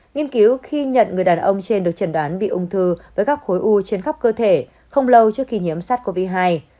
nghiên cứu khi nhận người đàn ông trên được chẩn đoán bị ung thư với các khối u trên khắp cơ thể không lâu trước khi nhiễm sars cov hai